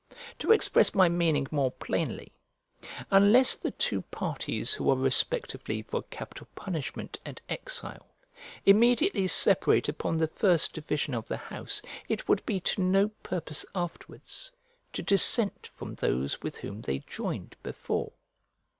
To express my meaning more plainly: unless the two parties who are respectively for capital punishment and exile immediately separate upon the first division of the house it would be to no purpose afterwards to dissent from those with whom they joined before.